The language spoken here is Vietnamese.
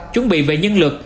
chuẩn bị về nhân lực